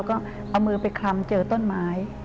ก็เอามือไปคลำเจอต้นไม้